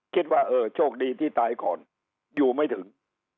คิดว่าเออโชคดีที่ตายก่อนอยู่ไม่ถึง